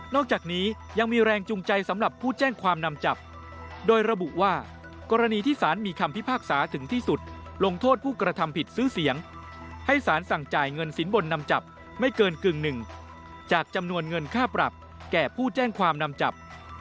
จากนี้ยังมีแรงจูงใจสำหรับผู้แจ้งความนำจับโดยระบุว่ากรณีที่สารมีคำพิพากษาถึงที่สุดลงโทษผู้กระทำผิดซื้อเสียงให้สารสั่งจ่ายเงินสินบนนำจับไม่เกินกึ่งหนึ่งจากจำนวนเงินค่าปรับแก่ผู้แจ้งความนำจับ